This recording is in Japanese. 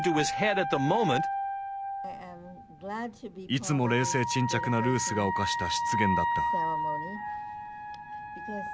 いつも冷静沈着なルースが犯した失言だった。